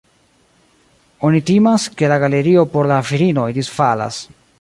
Oni timas, ke la galerio por la virinoj disfalas.